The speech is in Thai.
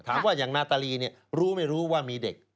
ถามว่าอย่างนาตาลีรู้ไม่รู้ว่ามีเด็ก